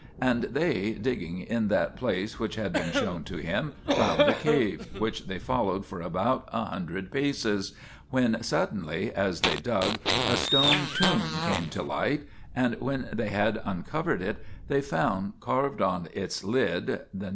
And they, digging in that place which had been shown to him, found a cave, which they followed for about a hundred paces, when suddenly, as they dug, a stone tomb came to light, and when they had uncovered it, they found carved on its lid (the name) 1 LXX Xoppde, Eng.